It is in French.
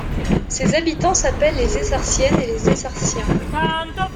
Ses habitants s'appellent les Essartiennes et les Essartiens.